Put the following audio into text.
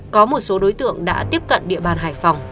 có một số đối tượng đã tiếp cận địa bàn hải phòng